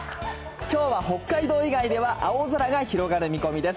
きょうは北海道以外では青空が広がる見込みです。